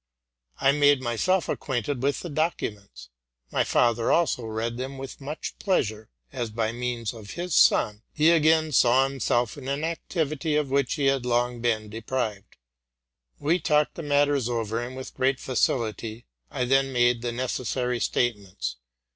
I made myself acquainted with the documents: my father also read them with much pleasure ; as, by means of his son, he again saw himself in an activity of which he had been long de prived. We talked the matters over, and with great facility : I then made the necessary statements.